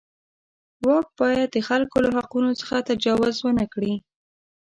واک باید د خلکو له حقونو څخه تجاوز ونه کړي.